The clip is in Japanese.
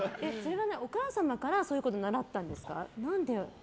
お母さまからそういうことを習ったんですか？